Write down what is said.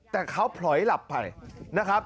แต่เขาผลอยหลับไปนะครับ